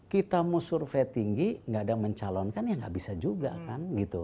kita mau survei tinggi nggak ada yang mencalonkan ya nggak bisa juga kan gitu